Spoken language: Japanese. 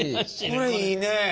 これいいね！